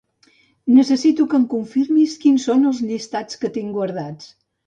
Necessito que em confirmis quins són els llistats que tinc guardats.